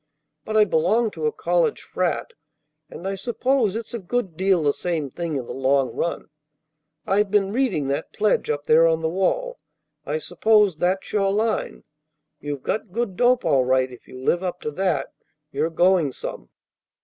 But I belong to a college frat, and I suppose it's a good deal the same thing in the long run. I've been reading that pledge up there on the wall. I suppose that's your line. You've got good dope all right. If you live up to that, you're going some.